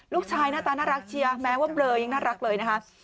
หน้าตาน่ารักเชียร์แม้ว่าเบลอยังน่ารักเลยนะคะ